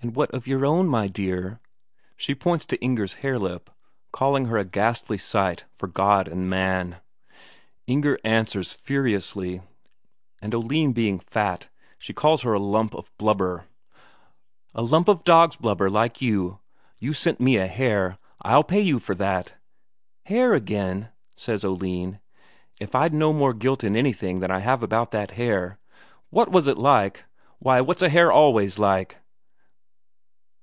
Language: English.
And what of your own, my dear?" She points to Inger's hare lip, calling her a ghastly sight for God and man. Inger answers furiously, and Oline being fat, she calls her a lump of blubber "a lump of dog's blubber like you. You sent me a hare I'll pay you for that." "Hare again?" says Oline. "If I'd no more guilt in anything than I have about that hare. What was it like?" "What was it like? Why, what's a hare always like?"